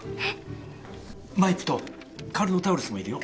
マイプとカルノタウルスもいるよ。